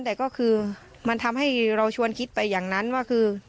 แต่ก็คือมันทำให้เราชวนคิดไปอย่างนั้นว่าคือ